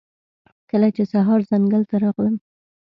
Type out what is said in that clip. کله چې سهار ځنګل ته راغلم